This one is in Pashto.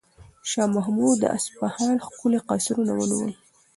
شاه محمود د اصفهان ښکلي قصرونه ونیول.